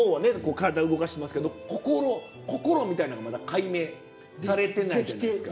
体動かしてますけど心心みたいなんがまだ解明されてないじゃないですか。